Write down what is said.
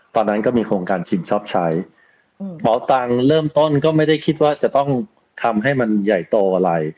ตอนนั้นก็มีโครงการชิมชอบใช้เป๋าตังค์เริ่มต้นก็ไม่ได้คิดว่าจะต้องทำให้มันใหญ่โตอะไร